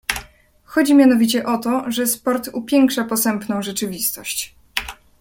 "Chodzi mianowicie o to, że sport upiększa posępną rzeczywistość."